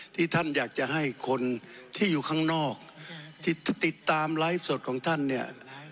ที่ท่านอยากจะให้คนที่อยู่ข้างนอกที่ติดตามไลฟ์สดของท่านเนี่ย